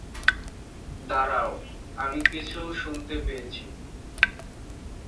দাঁড়াও, আমি কিছু শুনতে পেয়েছি।